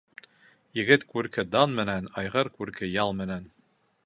Егет күрке дан менән, айғыр күрке ял менән.